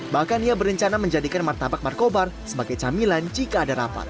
bahkan ia berencana menjadikan martabak markobar sebagai camilan jika ada rapat